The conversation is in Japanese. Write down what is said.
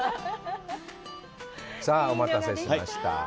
さあ、お待たせしました。